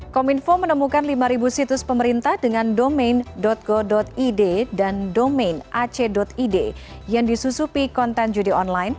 kominfo menemukan lima situs pemerintah dengan domain go id dan domain ac id yang disusupi konten judi online